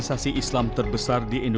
perang tu amat belilah perang